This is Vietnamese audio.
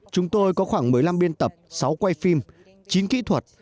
chúng tôi có khoảng một mươi năm biên tập sáu quay phim chín kỹ thuật